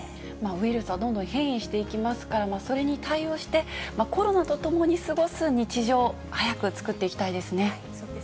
ウイルスはどんどん変異していきますから、それに対応して、コロナとともに過ごす日常、そうですね。